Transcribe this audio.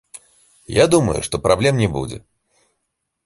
Я думаю, што праблем не будзе.